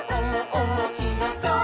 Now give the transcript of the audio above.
おもしろそう！」